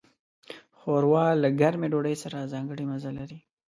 ښوروا له ګرمې ډوډۍ سره ځانګړی مزه لري.